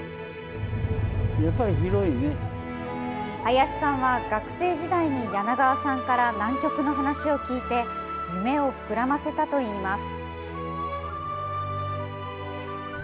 林さんは学生時代に柳川さんから南極の話を聞いて、夢を膨らませたといいます。